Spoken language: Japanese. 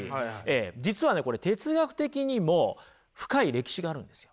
実はねこれ哲学的にも深い歴史があるんですよ。